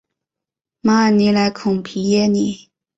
马尔尼莱孔皮耶尼。